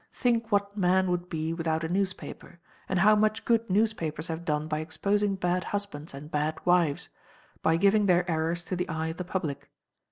Think what man would be without a newspaper, and how much good newspapers have done by exposing bad husbands and bad wives, by giving their errors to the eye of the public.